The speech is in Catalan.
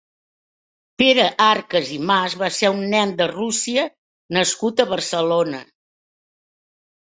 Pere Arcas i Mas va ser un nen de russia nascut a Barcelona.